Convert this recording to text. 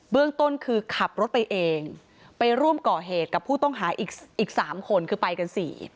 เรื่องต้นคือขับรถไปเองไปร่วมก่อเหตุกับผู้ต้องหาอีก๓คนคือไปกัน๔